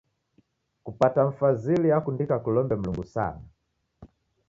Kupata mfazili yakundika kulombe Mlungu sana.